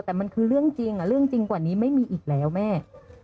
แต่มันคือเรื่องจริงเรื่องจริงกว่านี้ไม่มีอีกแล้วแม่